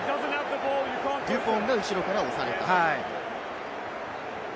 デュポンが後ろから押された。